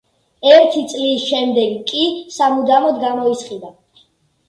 ერთი წლის შემდეგ კი სამუდამოდ გამოისყიდა.